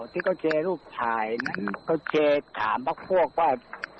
ที่เค้าเจรูปถ่ายก็เจถามมักพวกว่า